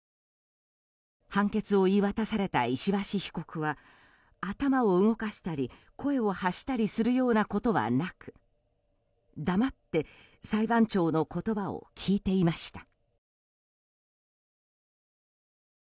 判決を言い渡された石橋被告は頭を動かしたり声を発したりするようなことはなく黙って裁判長の言葉を聞いていました。